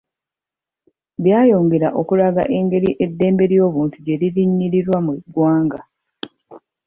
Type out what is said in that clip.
Byayongera okulaga engeri eddembe ly’obuntu gye lirinnyirirwa mu ggwanga.